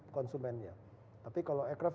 konsumennya tapi kalau aircraft